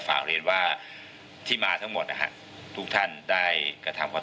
ฝากเรียนว่าที่มาทั้งหมดนะฮะทุกท่านได้กระทำความ